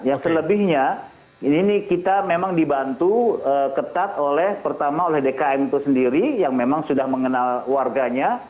ya selebihnya ini kita memang dibantu ketat oleh pertama oleh dkm itu sendiri yang memang sudah mengenal warganya